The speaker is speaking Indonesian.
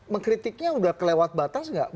mengkritiknya udah kelewat batas gak